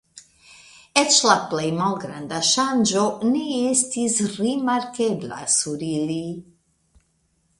Eĉ la plej malgranda ŝanĝo ne estis rimarkebla sur ili.